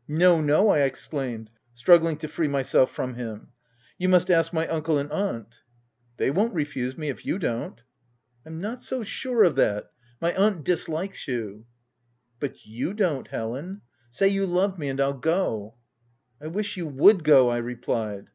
" No, no !" I exclaimed, struggling to free myself from him — "you must ask my uncle and aunt." 354 THE TENANT " They won't refuse me, if you don't." " I'm not so sure of that — my aunt dislikes you." " But you don't, Helen — say you love me, and I'll go." " I wish you would go !'' I replied.